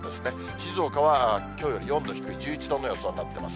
静岡は、きょうより４度低い１１度の予想になっています。